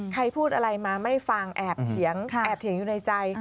ใครพูดอะไรมาไม่ฟังแอบเถียงอยู่ในใจ